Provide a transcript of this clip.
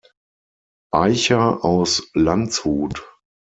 Aicher aus Landshut.